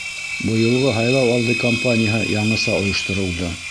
— Быйылғы һайлау алды кампанияһы яңыса ойошторолдо.